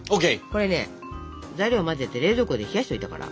これね材料を混ぜて冷蔵庫で冷やしといたから。